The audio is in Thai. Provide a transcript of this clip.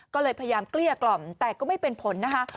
ก็เลยพยายามเกลี้ยกล่อมแต่ก็ไม่เป็นผลนะคะ